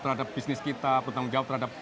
terhadap bisnis kita bertanggung jawab terhadap